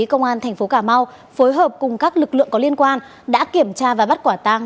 ma tuy công an thành phố cà mau phối hợp cùng các lực lượng có liên quan đã kiểm tra và bắt quả tăng